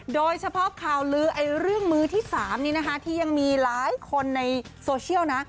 โดยเฉพาะข่าวลือเรื่องมือที่๓นี้นะคะที่ยังมีหลายคนในโซเชียลนะ